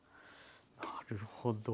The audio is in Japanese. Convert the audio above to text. なるほど。